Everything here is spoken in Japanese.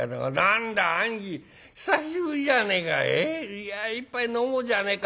いや一杯飲もうじゃねえか。